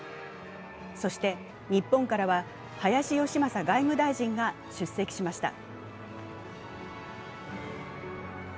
そして、日本からは林芳正外務大臣が出席しました。